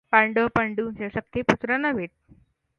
पांडव पंडूचे सख्खे पुत्र नव्हेत.